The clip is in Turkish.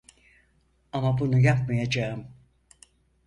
Ama bunu yapmayacağım.